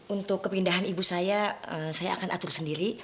untuk kepindahan ibu saya saya akan atur sendiri